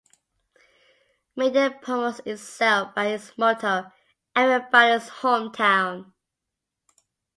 Media promotes itself by its motto: "Everybody's Hometown".